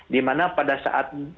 dimana pada saat